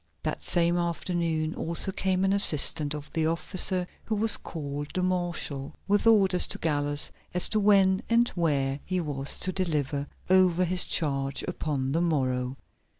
That same afternoon also came an assistant of the officer, who was called the Marshal, with orders to Gallus as to when and where he was to deliver over his charge upon the morrow.